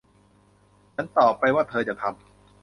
ฉันตอบไปว่าเธอจะทำ